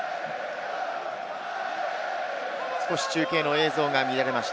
少し中継の映像が乱れました。